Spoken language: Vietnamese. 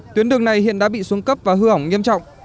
tuyến đường này hiện đã bị xuống cấp và hư hỏng nghiêm trọng